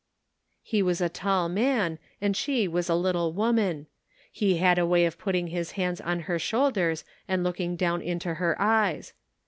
" He was a tall man, and she was a little woman. He had a way of putting his hands on her shoulders and looking down into her eyes.